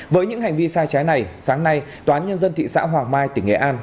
với những hành vi sai trái này sáng nay toán nhân dân thị xã hoàng mai tỉnh nghệ an